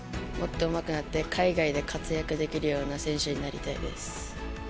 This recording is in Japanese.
もっとうまくなって、海外で活躍できるような選手になりたいです。